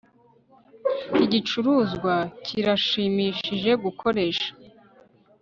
Iki gicuruzwa kirashimishije gukoresha